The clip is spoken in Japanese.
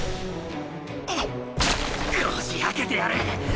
こじ開けてやる！